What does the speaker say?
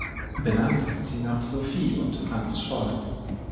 Benannt ist sie nach Sophie und Hans Scholl.